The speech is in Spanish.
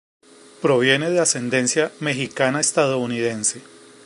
Proviene de ascendencia mexicana-estadounidense.